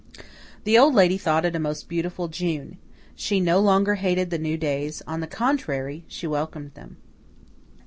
The Old Lady thought it a most beautiful June. She no longer hated the new days; on the contrary, she welcomed them.